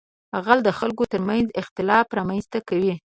غل د خلکو تر منځ اختلاف رامنځته کوي